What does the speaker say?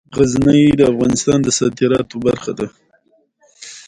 غزني د افغانستان د صادراتو برخه ده.